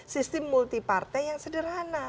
sistem multipartai yang sederhana